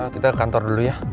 kita kantor dulu ya